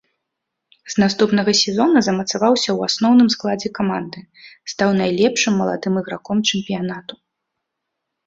З наступнага сезона замацаваўся ў асноўным складзе каманды, стаў найлепшым маладым іграком чэмпіянату.